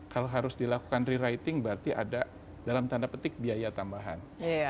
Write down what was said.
kalau harus dilakukan rewriting berarti ada dalam tanda petik biaya tambahan